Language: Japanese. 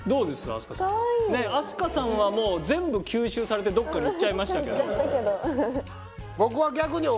飛鳥さんはもう全部吸収されてどっかにいっちゃいましたけど。